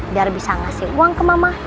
biar bisa ngasih uang ke mama